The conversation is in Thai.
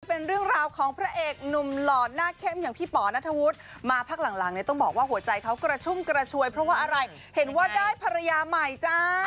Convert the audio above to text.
เป็นเรื่องราวของพระเอกหนุ่มหล่อหน้าเข้มอย่างพี่ป๋อนัทธวุฒิมาพักหลังหลังเนี่ยต้องบอกว่าหัวใจเขากระชุ่มกระชวยเพราะว่าอะไรเห็นว่าได้ภรรยาใหม่จ้า